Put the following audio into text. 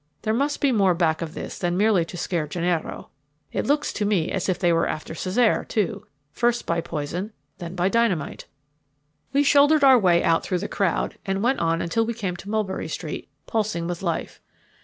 There must be more back of this than merely to scare Gennaro. It looks to me as if they were after Cesare, too, first by poison, then by dynamite." We shouldered our way out through the crowd, and went on until we came to Mulberry Street, pulsing with life.